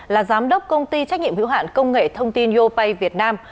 là giám đốc công ty trách nhiệm hữu hạn công nghệ thông tin yopay việt nam